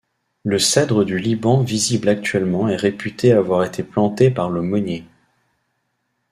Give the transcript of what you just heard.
Le cèdre du Liban visible actuellement est réputé avoir été planté par Le Monnier.